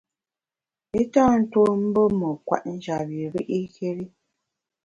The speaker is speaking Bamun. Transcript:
I tâ tuo mbù me kwet njap bi ri’kéri.